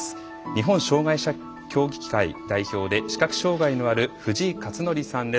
日本障害者協議会代表で視覚障害のある藤井克徳さんです。